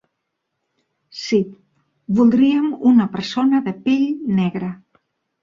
Sí, voldríem una persona de pell negra.